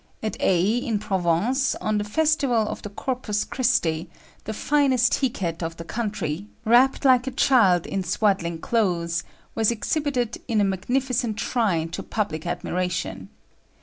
At Aix, in Provence, on the festival of the Corpus Christi, the finest he cat of the country, wrapped like a child in swaddling clothes, was exhibited in a magnificent shrine to public admiration.